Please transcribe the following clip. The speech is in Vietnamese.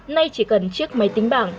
nay chỉ cần chiếc máy tính